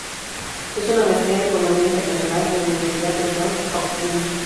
Hizo una maestría en economía internacional en la Universidad Johns Hopkins.